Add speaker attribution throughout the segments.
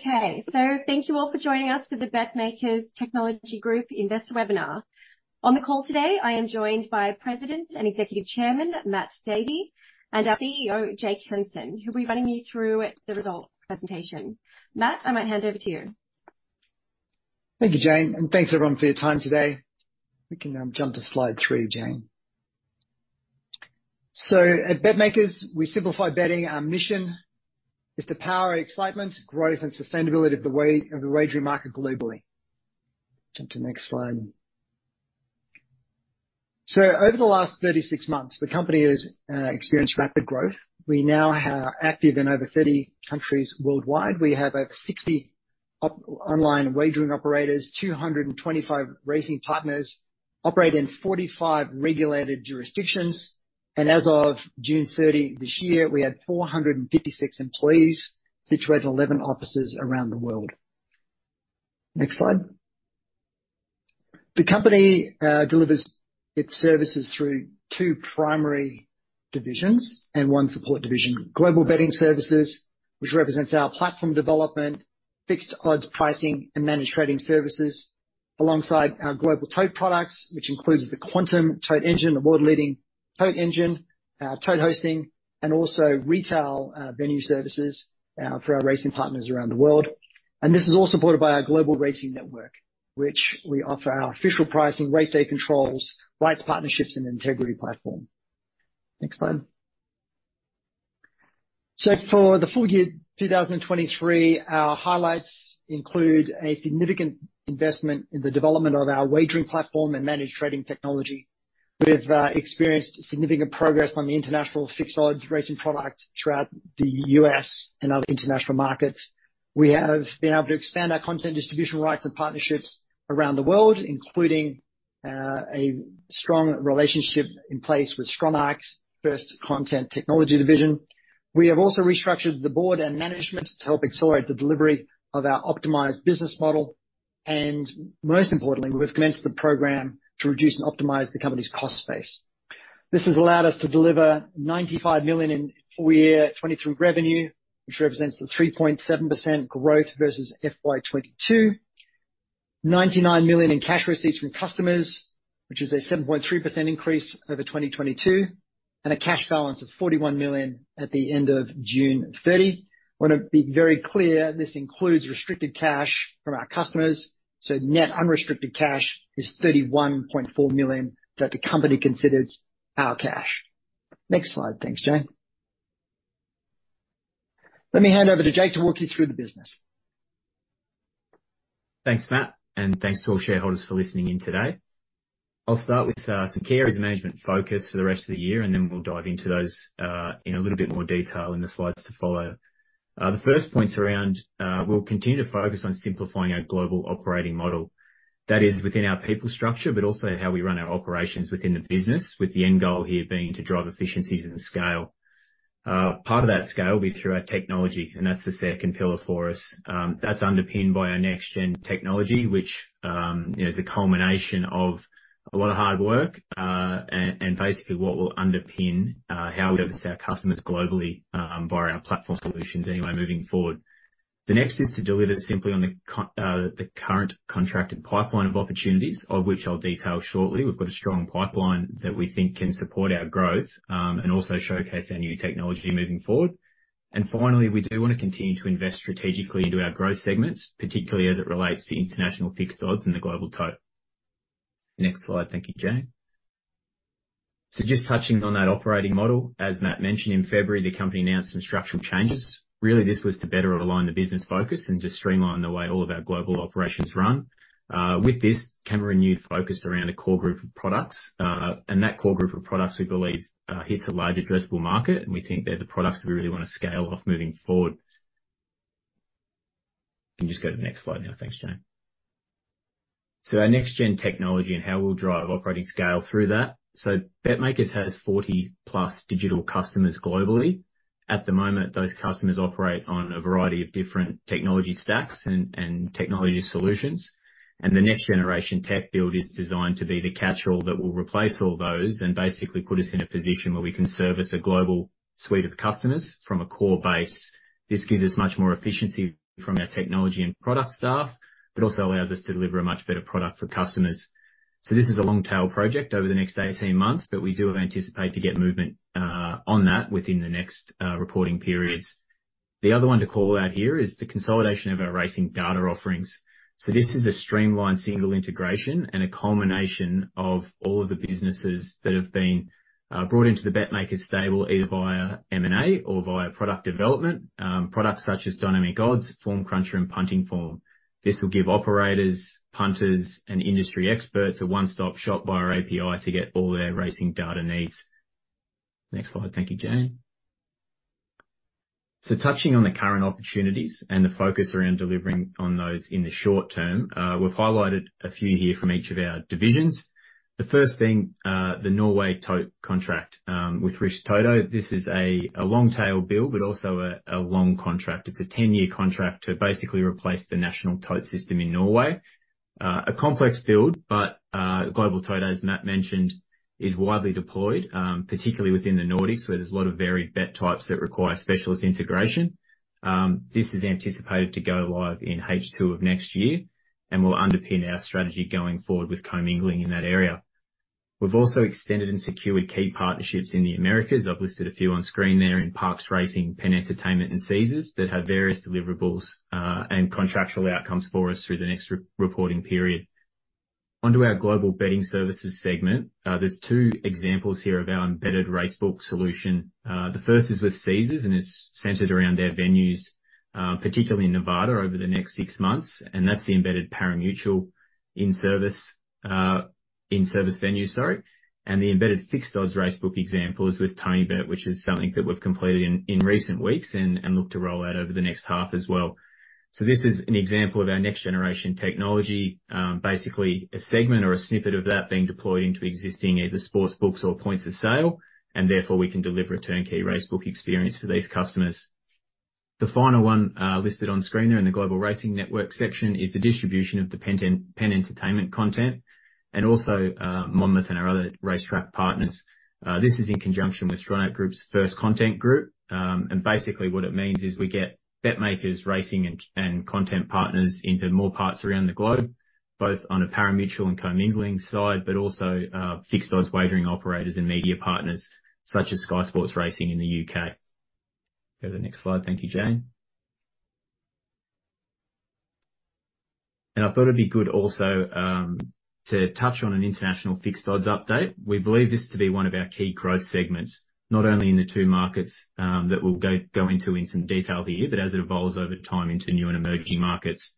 Speaker 1: Okay, so thank you all for joining us for the BetMakers Technology Group investor webinar. On the call today, I am joined by President and Executive Chairman, Matt Davey, and our CEO, Jake Henson, who'll be running you through the results presentation. Matt, I'm going to hand over to you.
Speaker 2: Thank you, Jane, and thanks everyone for your time today. We can jump to slide three, Jane. So at BetMakers, we simplify betting. Our mission is to power excitement, growth, and sustainability of the wagering market globally. Jump to the next slide. So over the last 36 months, the company has experienced rapid growth. We now are active in over 30 countries worldwide. We have over 60 online wagering operators, 225 racing partners, operate in 45 regulated jurisdictions, and as of June 30 this year, we had 456 employees situated in 11 offices around the world. Next slide. The company delivers its services through two primary divisions and one support division: Global Betting Services, which represents our platform development, fixed odds pricing, and managed trading services, alongside our Global Tote products, which includes the Quantum Tote engine, a world-leading tote engine, tote hosting, and also retail, venue services, for our racing partners around the world. This is all supported by our global racing network, which we offer our official pricing, race day controls, rights partnerships, and integrity platform. Next slide. For the full year 2023, our highlights include a significant investment in the development of our wagering platform and managed trading technology. We've experienced significant progress on the International Fixed Odds racing product throughout the U.S. and other international markets. We have been able to expand our content distribution rights and partnerships around the world, including a strong relationship in place with 1/ST Content technology division. We have also restructured the board and management to help accelerate the delivery of our optimized business model, and most importantly, we've commenced the program to reduce and optimize the company's cost base. This has allowed us to deliver 95 million in full year 2023 revenue, which represents 3.7% growth versus FY 2022. 99 million in cash receipts from customers, which is a 7.3% increase over 2022, and a cash balance of 41 million at the end of June 30. I want to be very clear, this includes restricted cash from our customers, so net unrestricted cash is 31.4 million that the company considers our cash. Next slide. Thanks, Jane. Let me hand over to Jake to walk you through the business.
Speaker 3: Thanks, Matt, and thanks to all shareholders for listening in today. I'll start with some key areas of management focus for the rest of the year, and then we'll dive into those in a little bit more detail in the slides to follow. The first point's around we'll continue to focus on simplifying our global operating model. That is within our people structure, but also how we run our operations within the business, with the end goal here being to drive efficiencies and scale. Part of that scale will be through our technology, and that's the second pillar for us. That's underpinned by our next-gen technology, which is a culmination of a lot of hard work, and basically what will underpin how we service our customers globally via our platform solutions anyway, moving forward. The next is to deliver simply on the current contracted pipeline of opportunities, of which I'll detail shortly. We've got a strong pipeline that we think can support our growth, and also showcase our new technology moving forward. And finally, we do want to continue to invest strategically into our growth segments, particularly as it relates to International Fixed Odds and the Global Tote. Next slide. Thank you, Jane. So just touching on that operating model, as Matt mentioned, in February, the company announced some structural changes. Really, this was to better align the business focus and just streamline the way all of our global operations run. With this came a renewed focus around a core group of products, and that core group of products, we believe, hits a large addressable market, and we think they're the products we really want to scale off moving forward. You can just go to the next slide now. Thanks, Jane. So our next-gen technology and how we'll drive operating scale through that. So BetMakers has 40+ digital customers globally. At the moment, those customers operate on a variety of different technology stacks and, and technology solutions, and the next generation tech build is designed to be the catch-all that will replace all those, and basically put us in a position where we can service a global suite of customers from a core base. This gives us much more efficiency from our technology and product staff, but also allows us to deliver a much better product for customers. So this is a long tail project over the next 18 months, but we do anticipate to get movement on that within the next reporting periods. The other one to call out here is the consolidation of our racing data offerings. So this is a streamlined single integration and a culmination of all of the businesses that have been brought into the BetMakers stable, either via M&A or via product development, products such as DynamicOdds, Form Cruncher, and Punting Form. This will give operators, punters, and industry experts a one-stop-shop via our API to get all their racing data needs. Next slide. Thank you, Jane. So touching on the current opportunities and the focus around delivering on those in the short term, we've highlighted a few here from each of our divisions. The first being the Norway Tote contract with Norsk Rikstoto. This is a long tail build, but also a long contract. It's a 10-year contract to basically replace the national tote system in Norway. A complex build, but Global Tote, as Matt mentioned, is widely deployed, particularly within the Nordics, where there's a lot of varied bet types that require specialist integration. This is anticipated to go live in H2 of next year and will underpin our strategy going forward with commingling in that area. We've also extended and secured key partnerships in the Americas. I've listed a few on screen there in Parx Racing, PENN Entertainment, and Caesars, that have various deliverables, and contractual outcomes for us through the next reporting period. Onto our Global Betting Services segment. There's two examples here of our embedded racebook solution. The first is with Caesars, and it's centered around their venues, particularly in Nevada, over the next six months, and that's the embedded parimutuel service in venues, sorry. The embedded fixed odds racebook example is with TonyBet, which is something that we've completed in recent weeks and look to roll out over the next half as well. So this is an example of our next generation technology. Basically, a segment or a snippet of that being deployed into existing either sports books or points of sale, and therefore we can deliver a turnkey racebook experience for these customers. The final one listed on screen there in the Global Racing Network section is the distribution of the PENN Entertainment content and also Monmouth and our other racetrack partners. This is in conjunction with Stronach Group's 1/ST Content. Basically what it means is we get BetMakers racing and content partners into more parts around the globe, both on a parimutuel and commingling side, but also fixed odds wagering operators and media partners, such as Sky Sports Racing in the U.K. Go to the next slide. Thank you, Jane. I thought it'd be good also to touch on an International Fixed Odds update. We believe this to be one of our key growth segments, not only in the two markets that we'll go into in some detail here, but as it evolves over time into new and emerging markets.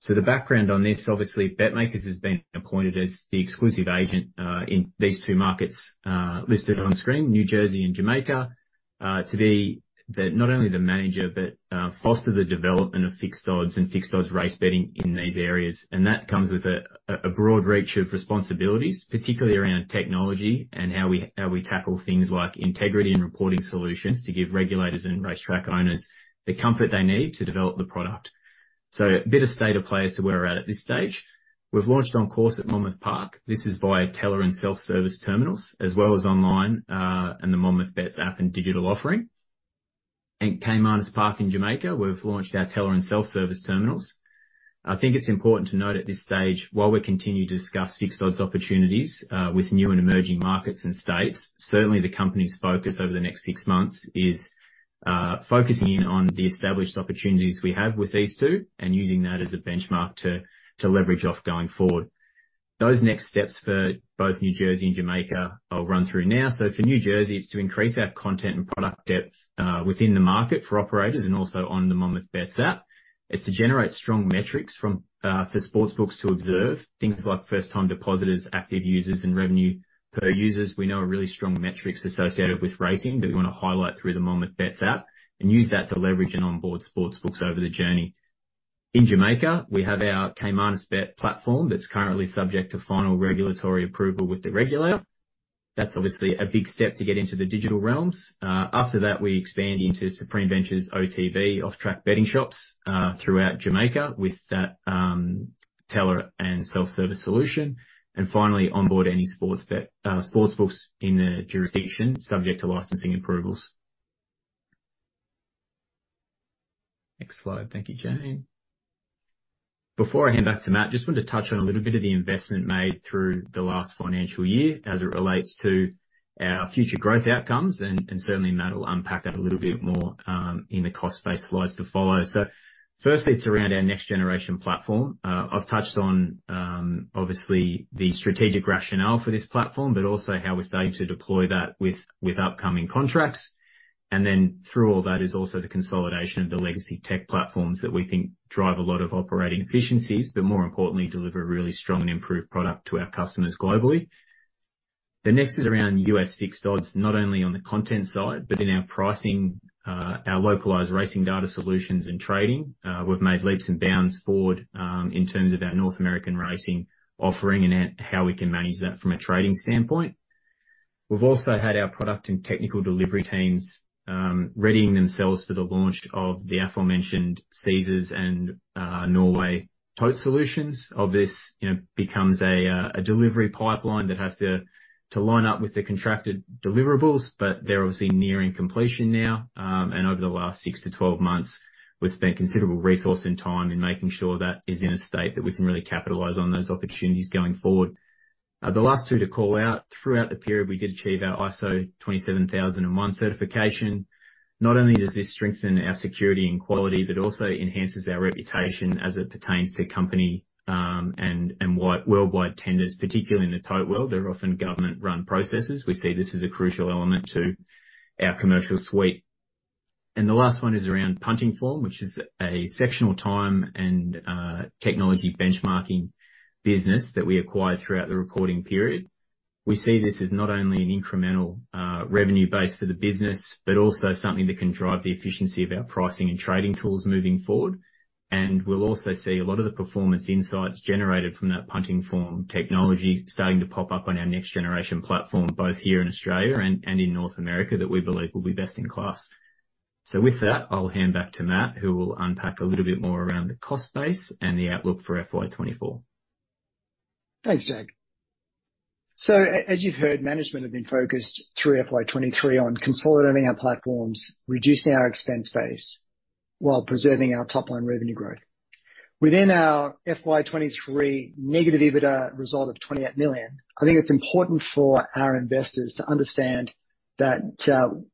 Speaker 3: So the background on this, obviously, BetMakers has been appointed as the exclusive agent in these two markets listed on screen, New Jersey and Jamaica, to be the not only the manager, but foster the development of Fixed Odds and Fixed Odds race betting in these areas. And that comes with a broad reach of responsibilities, particularly around technology and how we tackle things like integrity and reporting solutions, to give regulators and racetrack owners the comfort they need to develop the product. So a bit of state of play as to where we're at this stage. We've launched on course at Monmouth Park. This is via teller and self-service terminals, as well as online and the Monmouth Bets app and digital offering. At Caymanas Park in Jamaica, we've launched our teller and self-service terminals. I think it's important to note at this stage, while we continue to discuss fixed odds opportunities with new and emerging markets and states, certainly the company's focus over the next six months is focusing in on the established opportunities we have with these two, and using that as a benchmark to leverage off going forward. Those next steps for both New Jersey and Jamaica, I'll run through now. For New Jersey, it's to increase our content and product depth within the market for operators, and also on the Monmouth Bets app. It's to generate strong metrics from for sports books to observe, things like first-time depositors, active users, and revenue per users. We know are really strong metrics associated with racing that we want to highlight through the Monmouth Bets app, and use that to leverage and onboard sports books over the journey. In Jamaica, we have our Caymanas Bet platform that's currently subject to final regulatory approval with the regulator. That's obviously a big step to get into the digital realms. After that, we expand into Supreme Ventures OTB, off-track betting shops, throughout Jamaica with that, teller and self-service solution. And finally, onboard any sports books in the jurisdiction, subject to licensing approvals. Next slide. Thank you, Jane. Before I hand back to Matt, just wanted to touch on a little bit of the investment made through the last financial year as it relates to our future growth outcomes, and certainly Matt will unpack that a little bit more, in the cost-based slides to follow. So firstly, it's around our next generation platform. I've touched on, obviously, the strategic rationale for this platform, but also how we're starting to deploy that with, with upcoming contracts. And then through all that is also the consolidation of the legacy tech platforms that we think drive a lot of operating efficiencies, but more importantly, deliver a really strong and improved product to our customers globally. The next is around US Fixed Odds, not only on the content side, but in our pricing, our localized racing data solutions and trading. We've made leaps and bounds forward, in terms of our North American racing offering and, and how we can manage that from a trading standpoint. We've also had our product and technical delivery teams, readying themselves for the launch of the aforementioned Caesars and, Norway tote solutions. Obviously, this, you know, becomes a delivery pipeline that has to line up with the contracted deliverables, but they're obviously nearing completion now. And over the last 6-12 months, we've spent considerable resource and time in making sure that is in a state that we can really capitalize on those opportunities going forward. The last two to call out, throughout the period, we did achieve our ISO 27001 certification. Not only does this strengthen our security and quality, but also enhances our reputation as it pertains to company and worldwide tenders, particularly in the tote world. They're often government-run processes. We see this as a crucial element to our commercial suite. And the last one is around Punting Form, which is a sectional time and technology benchmarking business that we acquired throughout the reporting period. We see this as not only an incremental revenue base for the business, but also something that can drive the efficiency of our pricing and trading tools moving forward. And we'll also see a lot of the performance insights generated from that Punting Form technology starting to pop up on our next generation platform, both here in Australia and in North America, that we believe will be best in class... So with that, I'll hand back to Matt, who will unpack a little bit more around the cost base and the outlook for FY24.
Speaker 2: Thanks, Jake. So as you've heard, management have been focused through FY 2023 on consolidating our platforms, reducing our expense base, while preserving our top line revenue growth. Within our FY 2023 negative EBITDA result of 28 million, I think it's important for our investors to understand that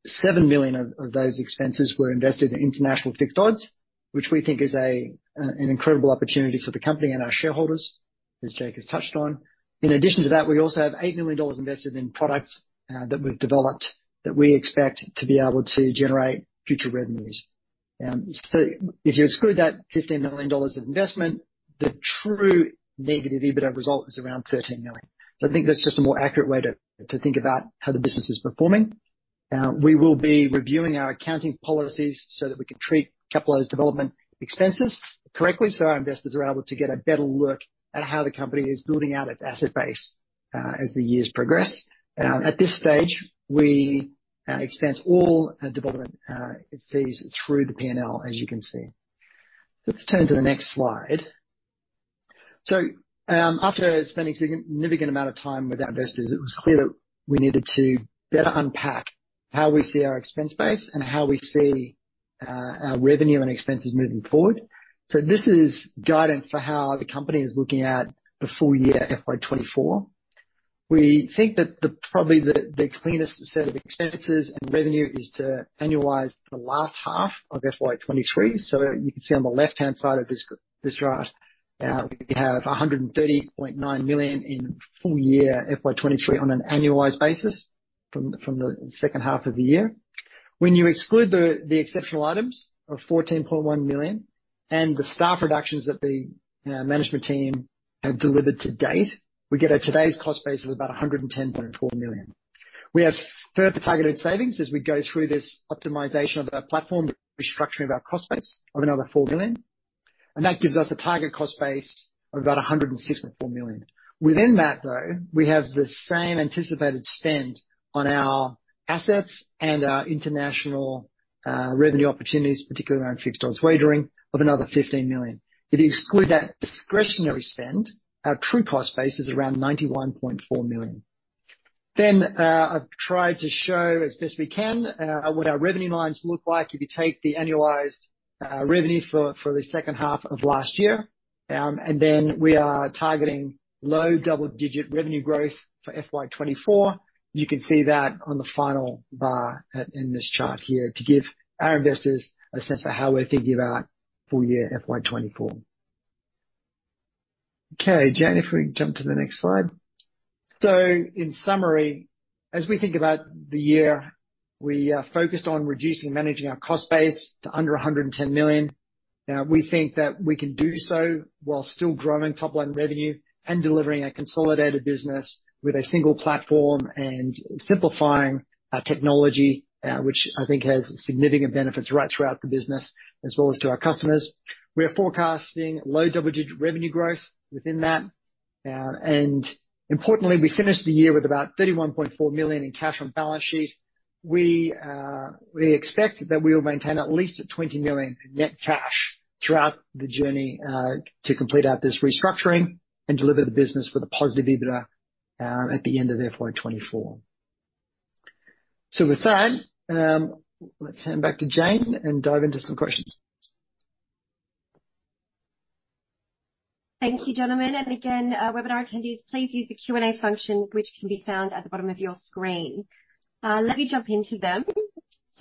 Speaker 2: seven million of those expenses were invested in International Fixed Odds, which we think is an incredible opportunity for the company and our shareholders, as Jake has touched on. In addition to that, we also have 8 million dollars invested in products that we've developed, that we expect to be able to generate future revenues. So if you exclude that 15 million dollars of investment, the true negative EBITDA result is around 13 million. So I think that's just a more accurate way to think about how the business is performing. We will be reviewing our accounting policies so that we can treat capitalized development expenses correctly, so our investors are able to get a better look at how the company is building out its asset base, as the years progress. At this stage, we expense all development fees through the P&L, as you can see. Let's turn to the next slide. So, after spending a significant amount of time with our investors, it was clear that we needed to better unpack how we see our expense base and how we see our revenue and expenses moving forward. So this is guidance for how the company is looking at the full year FY 2024. We think that probably the cleanest set of expenses and revenue is to annualize the last half of FY 2023. So you can see on the left-hand side of this, this graph, we have 130.9 million in full year FY 2023 on an annualized basis from the second half of the year. When you exclude the exceptional items of 14.1 million and the staff reductions that the management team have delivered to date, we get a today's cost base of about 110.4 million. We have further targeted savings as we go through this optimization of our platform, the restructuring of our cost base of another 4 million, and that gives us a target cost base of about 106.4 million. Within that, though, we have the same anticipated spend on our assets and our international revenue opportunities, particularly around fixed odds wagering, of another 15 million. If you exclude that discretionary spend, our true cost base is around 91.4 million. Then, I've tried to show as best we can, what our revenue lines look like if you take the annualized, revenue for, for the second half of last year. And then we are targeting low double-digit revenue growth for FY 2024. You can see that on the final bar at, in this chart here, to give our investors a sense of how we're thinking about full year FY 2024. Okay, Jane, if we jump to the next slide. So in summary, as we think about the year, we are focused on reducing and managing our cost base to under 110 million. We think that we can do so while still growing top-line revenue and delivering a consolidated business with a single platform and simplifying our technology, which I think has significant benefits right throughout the business as well as to our customers. We are forecasting low double-digit revenue growth within that. And importantly, we finished the year with about 31.4 million in cash on balance sheet. We, we expect that we will maintain at least 20 million net cash throughout the journey, to complete out this restructuring and deliver the business with a positive EBITDA, at the end of FY 2024. So with that, let's hand back to Jane and dive into some questions.
Speaker 1: Thank you, gentlemen, and again, webinar attendees, please use the Q&A function, which can be found at the bottom of your screen. Let me jump into them.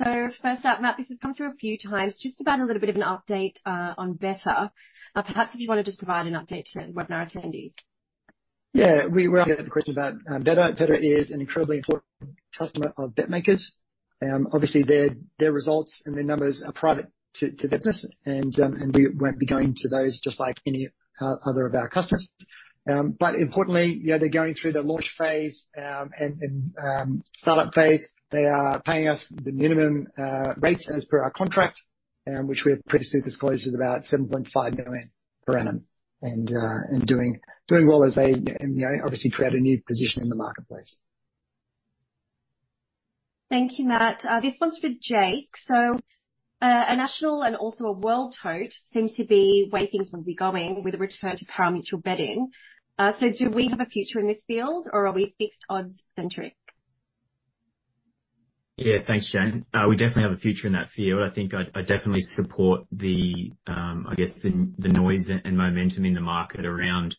Speaker 1: So first up, Matt, this has come through a few times. Just about a little bit of an update, on Betr. Perhaps if you want to just provide an update to the webinar attendees.
Speaker 2: Yeah, we often get the question about Betr. Betr is an incredibly important customer of BetMakers. Obviously, their results and their numbers are private to the business, and we won't be going into those, just like any other of our customers. But importantly, yeah, they're going through their launch phase, and startup phase. They are paying us the minimum rates as per our contract, which we have previously disclosed is about 7.5 million per annum. And doing well as they, you know, obviously create a new position in the marketplace.
Speaker 1: Thank you, Matt. This one's for Jake. So, a national and also a world tote seem to be where things will be going with a return to parimutuel betting. So do we have a future in this field, or are we fixed odds-centric?
Speaker 3: Yeah, thanks, Jane. We definitely have a future in that field. I think I definitely support the, I guess, the noise and momentum in the market around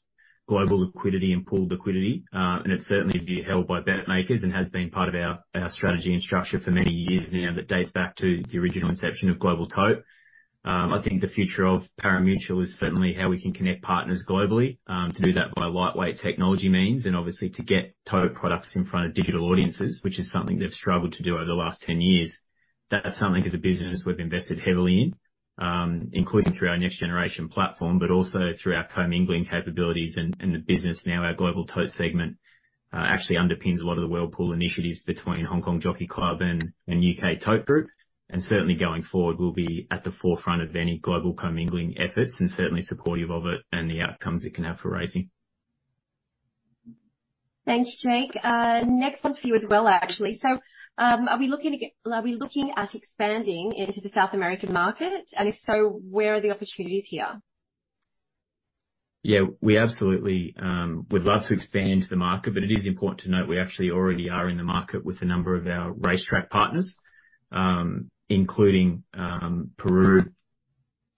Speaker 3: global liquidity and pool liquidity. And it's certainly being held by BetMakers and has been part of our strategy and structure for many years now, that dates back to the original inception of Global Tote. I think the future of parimutuel is certainly how we can connect partners globally to do that by lightweight technology means, and obviously to get tote products in front of digital audiences, which is something they've struggled to do over the last 10 years. That's something, as a business, we've invested heavily in, including through our next generation platform, but also through our commingling capabilities and the business. Now, our Global Tote segment actually underpins a lot of the World Pool initiatives between Hong Kong Jockey Club and UK Tote Group, and certainly going forward, we'll be at the forefront of any global commingling efforts and certainly supportive of it and the outcomes it can have for racing....
Speaker 1: Thank you, Jake. Next one's for you as well, actually. So, are we looking at expanding into the South American market? And if so, where are the opportunities here?
Speaker 3: Yeah, we absolutely would love to expand to the market, but it is important to note we actually already are in the market with a number of our racetrack partners, including Peru,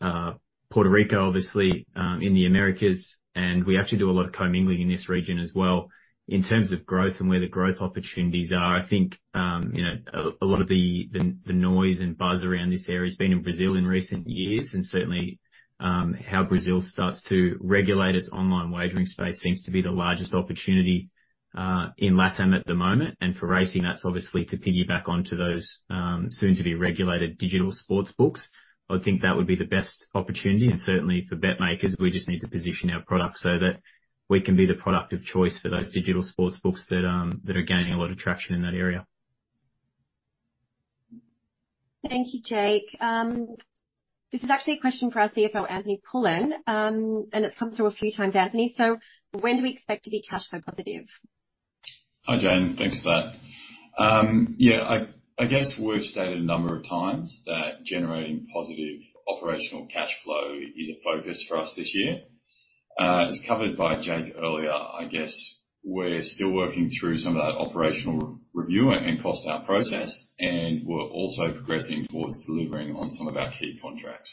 Speaker 3: Puerto Rico, obviously, in the Americas. We actually do a lot of commingling in this region as well. In terms of growth and where the growth opportunities are, I think you know a lot of the noise and buzz around this area has been in Brazil in recent years, and certainly how Brazil starts to regulate its online wagering space seems to be the largest opportunity in LatAm at the moment. For racing, that's obviously to piggyback onto those soon-to-be-regulated digital sports books. I think that would be the best opportunity, and certainly for BetMakers, we just need to position our product so that we can be the product of choice for those digital sports books that are gaining a lot of traction in that area.
Speaker 1: Thank you, Jake. This is actually a question for our CFO, Anthony Pullin, and it's come through a few times, Anthony. When do we expect to be cash flow positive?
Speaker 4: Hi, Jane. Thanks for that. Yeah, I guess we've stated a number of times that generating positive operational cash flow is a focus for us this year. As covered by Jake earlier, I guess we're still working through some of that operational review and cost out process, and we're also progressing towards delivering on some of our key contracts.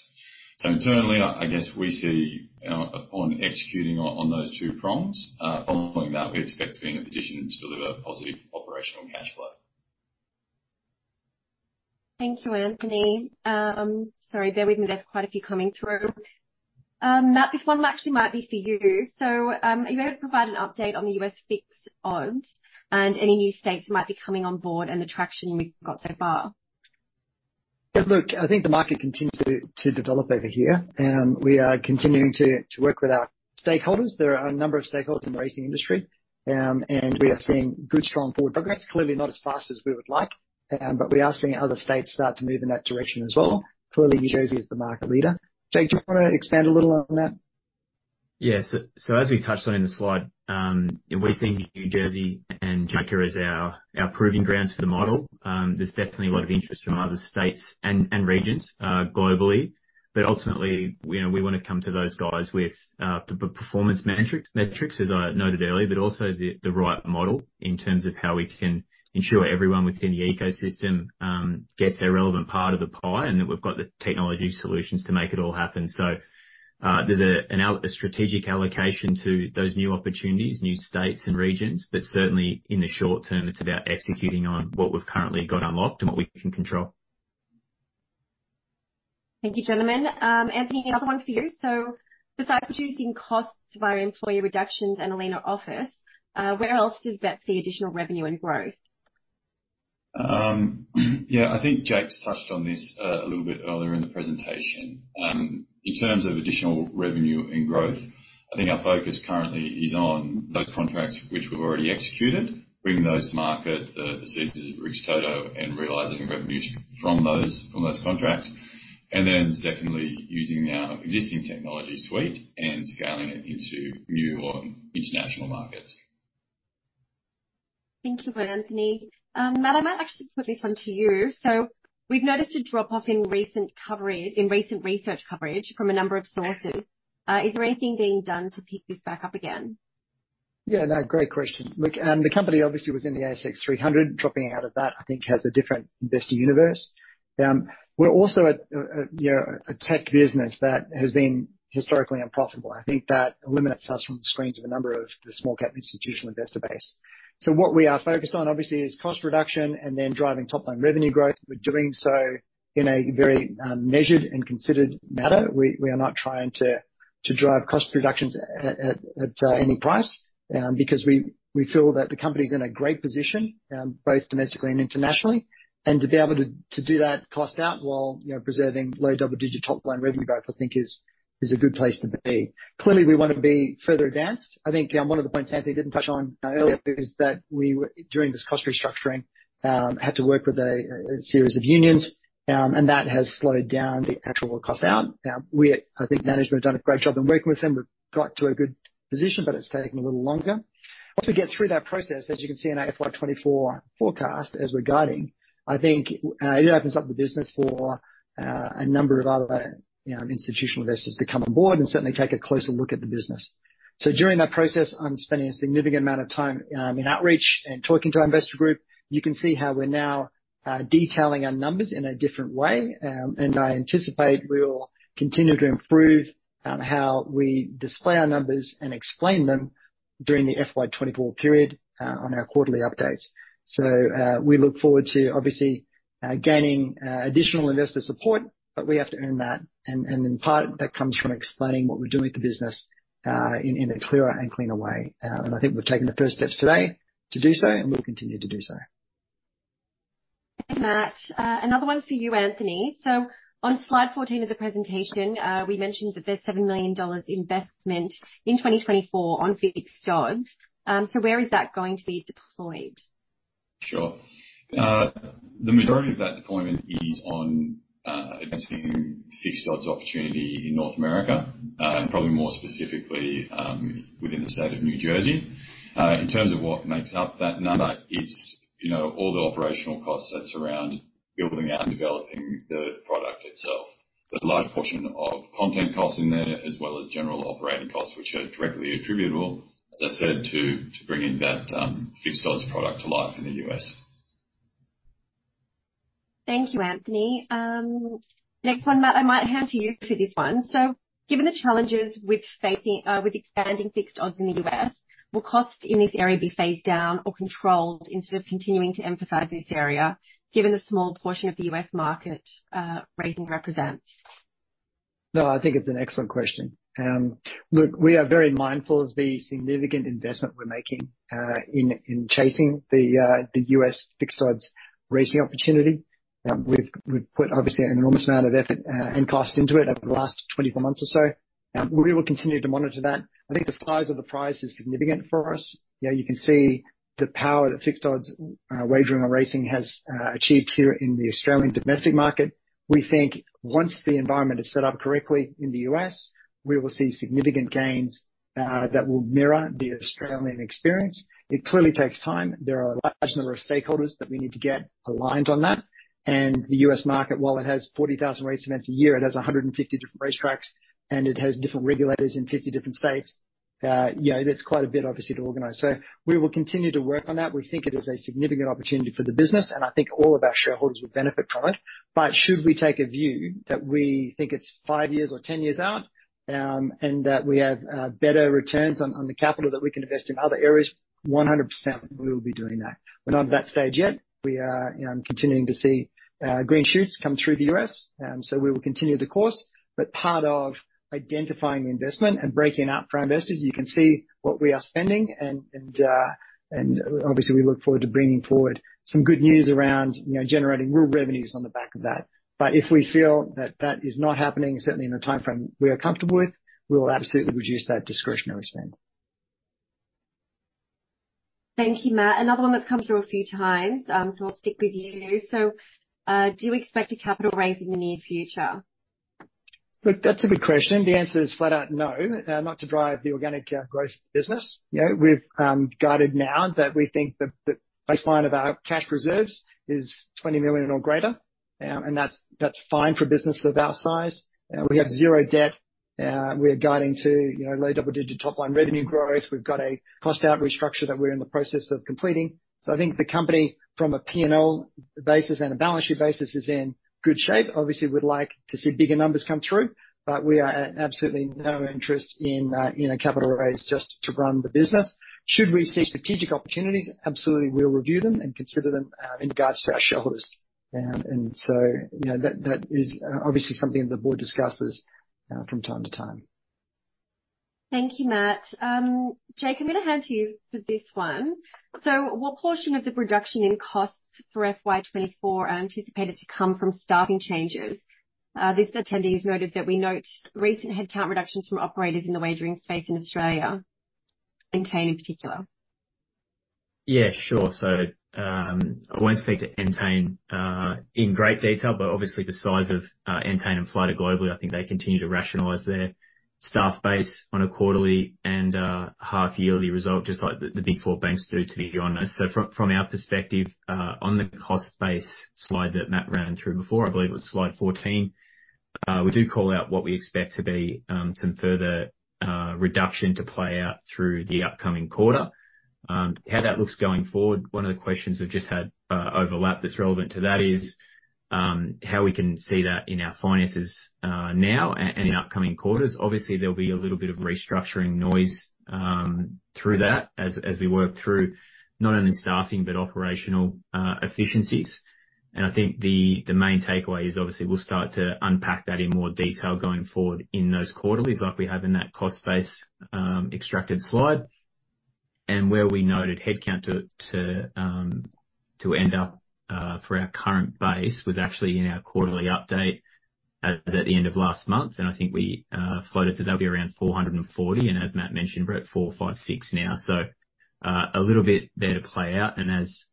Speaker 4: So internally, I guess we see, upon executing on those two prongs, following that, we expect to be in a position to deliver positive operational cash flow.
Speaker 1: Thank you, Anthony. Sorry, bear with me. There are quite a few coming through. Matt, this one actually might be for you. So, are you able to provide an update on the US Fixed Odds, and any new states might be coming on board, and the traction you've got so far?
Speaker 2: Yeah, look, I think the market continues to develop over here, and we are continuing to work with our stakeholders. There are a number of stakeholders in the racing industry, and we are seeing good, strong forward progress. Clearly, not as fast as we would like, but we are seeing other states start to move in that direction as well. Clearly, New Jersey is the market leader. Jake, do you want to expand a little on that?
Speaker 3: Yes. So as we touched on in the slide, we're seeing New Jersey and Iowa as our proving grounds for the model. There's definitely a lot of interest from other states and regions globally, but ultimately, you know, we want to come to those guys with performance metrics, as I noted earlier, but also the right model in terms of how we can ensure everyone within the ecosystem gets their relevant part of the pie, and that we've got the technology solutions to make it all happen. So there's a strategic allocation to those new opportunities, new states, and regions. But certainly, in the short term, it's about executing on what we've currently got unlocked and what we can control.
Speaker 1: Thank you, gentlemen. Anthony, another one for you. So besides reducing costs via employee reductions and a leaner office, where else does BET see additional revenue and growth?
Speaker 4: Yeah, I think Jake's touched on this, a little bit earlier in the presentation. In terms of additional revenue and growth, I think our focus currently is on those contracts which we've already executed, bringing those to market, the seasons at Norsk Rikstoto, and realizing revenue from those, from those contracts, and then definitely using our existing technology suite and scaling it into new or international markets.
Speaker 1: Thank you, Anthony. Matt, I might actually put this one to you. So we've noticed a drop-off in recent coverage in recent research coverage from a number of sources. Is there anything being done to pick this back up again?
Speaker 2: Yeah, no, great question. Look, the company obviously was in the ASX 300. Dropping out of that, I think, has a different investor universe. We're also, you know, a tech business that has been historically unprofitable. I think that eliminates us from the screens of a number of the small cap institutional investor base. So what we are focused on, obviously, is cost reduction and then driving top-line revenue growth. We're doing so in a very measured and considered manner. We are not trying to drive cost reductions at any price, because we feel that the company's in a great position, both domestically and internationally. And to be able to do that cost out while, you know, preserving low double-digit top-line revenue growth, I think is a good place to be. Clearly, we want to be further advanced. I think, one of the points Anthony didn't touch on, earlier, is that we during this cost restructuring, had to work with a series of unions, and that has slowed down the actual cost out. I think management have done a great job of working with them. We've got to a good position, but it's taken a little longer. Once we get through that process, as you can see in our FY 2024 forecast, as we're guiding, I think, it opens up the business for, a number of other, you know, institutional investors to come on board and certainly take a closer look at the business. So during that process, I'm spending a significant amount of time, in outreach and talking to our investor group. You can see how we're now detailing our numbers in a different way, and I anticipate we will continue to improve on how we display our numbers and explain them during the FY 2024 period, on our quarterly updates. So, we look forward to obviously gaining additional investor support, but we have to earn that. And in part, that comes from explaining what we're doing with the business, in a clearer and cleaner way. And I think we've taken the first steps today to do so, and we'll continue to do so.
Speaker 1: Thanks, Matt. Another one for you, Anthony. So on slide 14 of the presentation, we mentioned that there's $7 million investment in 2024 on Fixed Odds. So where is that going to be deployed?...
Speaker 4: Sure. The majority of that deployment is on investing in Fixed Odds opportunity in North America, and probably more specifically, within the state of New Jersey. In terms of what makes up that number, it's, you know, all the operational costs that surround building out and developing the product itself. So there's a large portion of content costs in there, as well as general operating costs, which are directly attributable, as I said, to bringing that Fixed Odds product to life in the U.S.
Speaker 1: Thank you, Anthony. Next one, Matt, I might hand to you for this one. So given the challenges with facing with expanding fixed odds in the U.S., will costs in this area be phased down or controlled instead of continuing to emphasize this area, given the small portion of the U.S. market, racing represents?
Speaker 2: No, I think it's an excellent question. Look, we are very mindful of the significant investment we're making in chasing the US Fixed Odds racing opportunity. We've put obviously an enormous amount of effort and cost into it over the last 24 months or so. We will continue to monitor that. I think the size of the prize is significant for us. You know, you can see the power that Fixed Odds wagering on racing has achieved here in the Australian domestic market. We think once the environment is set up correctly in the U.S., we will see significant gains that will mirror the Australian experience. It clearly takes time. There are a large number of stakeholders that we need to get aligned on that. The U.S. market, while it has 40,000 race events a year, it has 150 different racetracks, and it has different regulators in 50 different states. You know, that's quite a bit, obviously, to organize. So we will continue to work on that. We think it is a significant opportunity for the business, and I think all of our shareholders will benefit from it. But should we take a view that we think it's five years or 10 years out, and that we have better returns on the capital that we can invest in other areas, 100% we will be doing that. We're not at that stage yet. We are, you know, continuing to see green shoots come through the U.S., so we will continue the course. But part of identifying the investment and breaking out for our investors, you can see what we are spending and and obviously we look forward to bringing forward some good news around, you know, generating real revenues on the back of that. But if we feel that that is not happening, certainly in the timeframe we are comfortable with, we will absolutely reduce that discretionary spend.
Speaker 1: Thank you, Matt. Another one that's come through a few times, so I'll stick with you. Do you expect a capital raise in the near future?
Speaker 2: Look, that's a good question. The answer is flat out, no. Not to drive the organic growth of the business. You know, we've guided now that we think that the baseline of our cash reserves is 20 million or greater. And that's fine for a business of our size. We have zero debt. We're guiding to, you know, low double-digit top-line revenue growth. We've got a cost out restructure that we're in the process of completing. So I think the company, from a P&L basis and a balance sheet basis, is in good shape. Obviously, we'd like to see bigger numbers come through, but we are at absolutely no interest in a capital raise just to run the business. Should we see strategic opportunities, absolutely, we'll review them and consider them in regards to our shareholders. And so, you know, that is obviously something the board discusses from time to time.
Speaker 1: Thank you, Matt. Jake, I'm going to hand to you for this one. What portion of the reduction in costs for FY 2024 are anticipated to come from staffing changes? This attendee's noted that we note recent headcount reductions from operators in the wagering space in Australia, Entain in particular.
Speaker 3: Yeah, sure. So, I won't speak to Entain in great detail, but obviously the size of Entain and Flutter globally, I think they continue to rationalize their staff base on a quarterly and half-yearly result, just like the Big Four banks do, to be honest. So from our perspective, on the cost base slide that Matt ran through before, I believe it was slide 14, we do call out what we expect to be some further reduction to play out through the upcoming quarter. How that looks going forward, one of the questions we've just had overlap that's relevant to that is how we can see that in our finances now and in upcoming quarters. Obviously, there'll be a little bit of restructuring noise through that as we work through not only staffing but operational efficiencies. And I think the main takeaway is obviously we'll start to unpack that in more detail going forward in those quarterlies, like we have in that cost base extracted slide. And where we noted headcount to end up for our current base was actually in our quarterly update at the end of last month, and I think we floated that that'd be around 440, and as Matt mentioned, we're at 456 now. So, a little bit there to play out, and as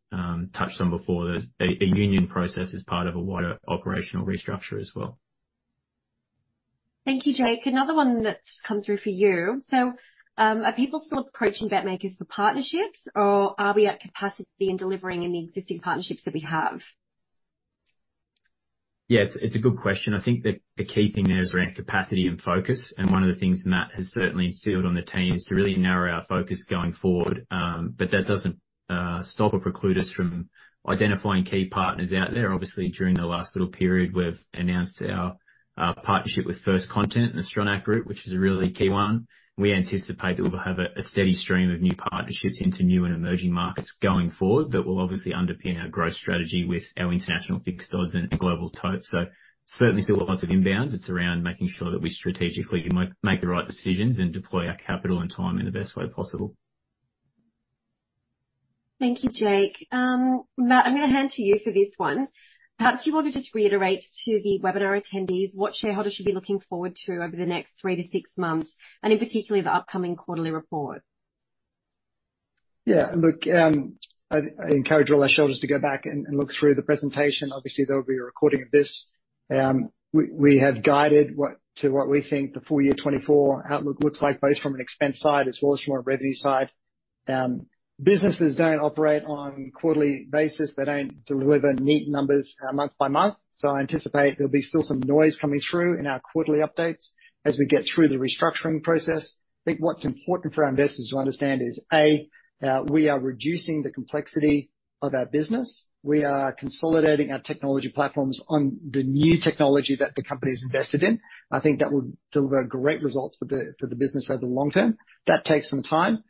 Speaker 3: touched on before, there's a union process as part of a wider operational restructure as well.
Speaker 1: Thank you, Jake. Another one that's come through for you: So, are people still approaching BetMakers for partnerships, or are we at capacity in delivering in the existing partnerships that we have?
Speaker 3: Yeah, it's a good question. I think that the key thing there is around capacity and focus, and one of the things Matt has certainly instilled on the team is to really narrow our focus going forward. But that doesn't stop or preclude us from identifying key partners out there. Obviously, during the last little period, we've announced our partnership with 1/ST Content and the Stronach Group, which is a really key one. We anticipate that we'll have a steady stream of new partnerships into new and emerging markets going forward, that will obviously underpin our growth strategy with our International Fixed Odds and Global Tote. So certainly still lots of inbounds. It's around making sure that we strategically make the right decisions and deploy our capital and time in the best way possible.
Speaker 1: Thank you, Jake. Matt, I'm gonna hand to you for this one. Perhaps you want to just reiterate to the webinar attendees what shareholders should be looking forward to over the next 3-6 months, and in particular, the upcoming quarterly report?...
Speaker 2: Yeah, and look, I encourage all our shareholders to go back and look through the presentation. Obviously, there will be a recording of this. We have guided to what we think the full year 2024 outlook looks like, both from an expense side as well as from a revenue side. Businesses don't operate on quarterly basis. They don't deliver neat numbers, month by month, so I anticipate there'll be still some noise coming through in our quarterly updates as we get through the restructuring process. I think what's important for our investors to understand is, A, we are reducing the complexity of our business. We are consolidating our technology platforms on the new technology that the company's invested in. I think that will deliver great results for the business over the long term. That takes some time,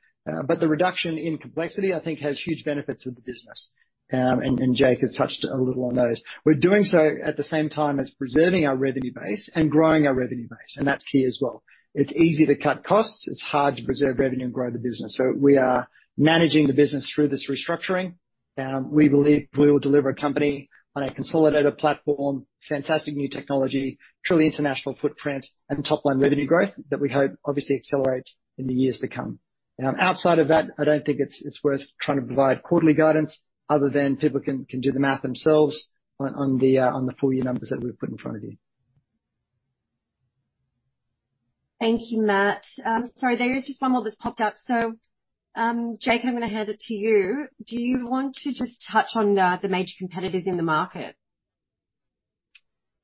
Speaker 2: but the reduction in complexity, I think, has huge benefits for the business. And Jake has touched a little on those. We're doing so at the same time as preserving our revenue base and growing our revenue base, and that's key as well. It's easy to cut costs. It's hard to preserve revenue and grow the business. So we are managing the business through this restructuring. We believe we will deliver a company on a consolidated platform, fantastic new technology, truly international footprint, and top-line revenue growth that we hope obviously accelerates in the years to come. Now, outside of that, I don't think it's worth trying to provide quarterly guidance other than people can do the math themselves on the full year numbers that we've put in front of you.
Speaker 1: Thank you, Matt. Sorry, there is just one more that's popped up. So, Jake, I'm gonna hand it to you. Do you want to just touch on the major competitors in the market?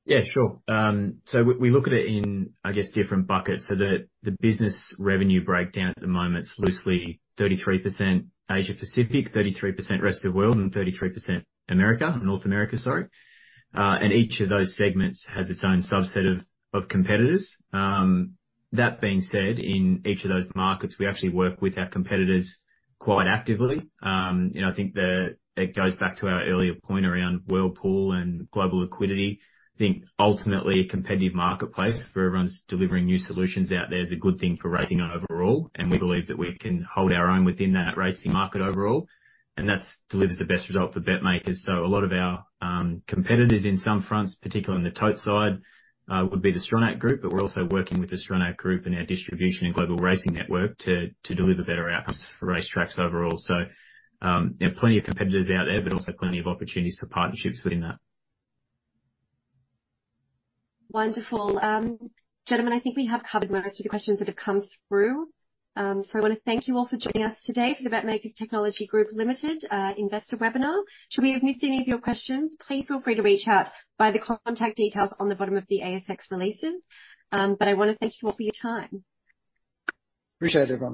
Speaker 3: Yeah, sure. So we look at it in, I guess, different buckets. So the business revenue breakdown at the moment is loosely 33% Asia Pacific, 33% rest of the world, and 33% America, North America, sorry. And each of those segments has its own subset of competitors. That being said, in each of those markets, we actually work with our competitors quite actively. You know, I think it goes back to our earlier point around World Pool and global liquidity. I think ultimately, a competitive marketplace where everyone's delivering new solutions out there is a good thing for racing overall, and we believe that we can hold our own within that racing market overall, and that's delivers the best result for BetMakers. So a lot of our competitors in some fronts, particularly on the tote side, would be The Stronach Group, but we're also working with The Stronach Group in our distribution and global racing network to deliver better outcomes for racetracks overall. So, yeah, plenty of competitors out there, but also plenty of opportunities for partnerships within that.
Speaker 1: Wonderful. Gentlemen, I think we have covered most of the questions that have come through. So I wanna thank you all for joining us today for the BetMakers Technology Group Limited investor webinar. Should we have missed any of your questions, please feel free to reach out by the contact details on the bottom of the ASX releases. But I wanna thank you all for your time.
Speaker 2: Appreciate it, everyone.